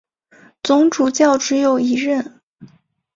总主教只有一任。